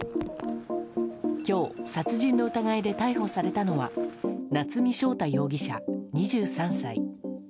今日殺人の疑いで逮捕されたのは夏見翔太容疑者、２３歳。